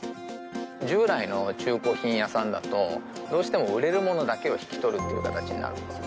従来の中古品屋さんだとどうしても売れるものだけを引き取るっていう形になるんですね